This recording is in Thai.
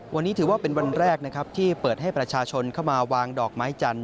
วันนี้ถือว่าเป็นวันแรกนะครับที่เปิดให้ประชาชนเข้ามาวางดอกไม้จันท